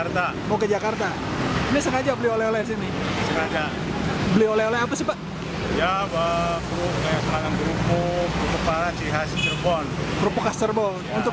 tapi karena ini adalah hal yang sangat penting